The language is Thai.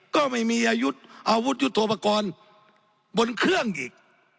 ก็ไม่มีอาวุธอาวุธยุทธโปรกรณ์บนเครื่องอีก